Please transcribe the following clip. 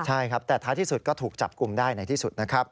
ใช่ครับแต่ท้ายที่สุดก็ถูกจับกลุ่มได้ในที่สุดนะครับ